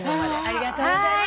ありがとうございます。